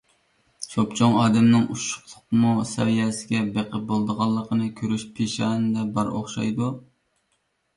چوپچوڭ ئادەمنىڭ ئۇششۇقلۇقىمۇ سەۋىيەسىگە بېقىپ بولىدىغانلىقىنى كۆرۈش پېشانىدە بار ئوخشايدۇ.